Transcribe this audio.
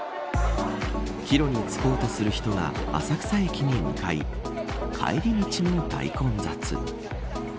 帰路につこうとする人が浅草駅に向かい帰り道も大混雑。